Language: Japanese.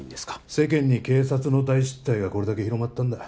世間に警察の大失態がこれだけ広まったんだ